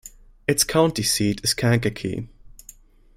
Its county seat is Kankakee.